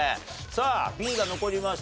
さあＢが残りました。